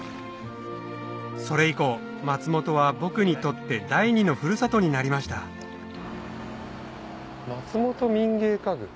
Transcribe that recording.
それ以降松本は僕にとって第二のふるさとになりました「松本民芸家具」。